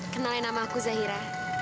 kenalin nama aku zahira